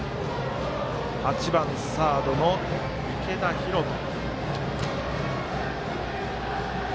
８番サードの池田優斗。